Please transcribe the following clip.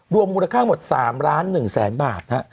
รวมมูลค่าหมด๓ล้าน๑แสนบาท